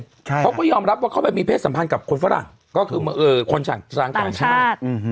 ใช่ค่ะเขาก็ยอมรับว่าเข้าไปมีเพศสัมพันธ์กับคนฝรั่งก็คือเออคนสั่งสั่งต่างชาติอื้อฮือ